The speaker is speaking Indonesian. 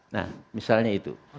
nah misalnya itu